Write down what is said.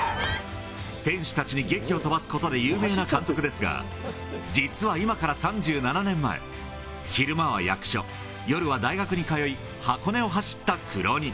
選手たちにげきを飛ばすことで有名な監督ですが、実は今から３７年前、昼間は役所、夜は大学に通い、箱根を走った苦労人。